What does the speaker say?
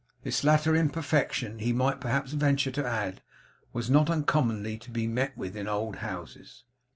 This latter imperfection, he might perhaps venture to add, was not uncommonly to be met with in old houses.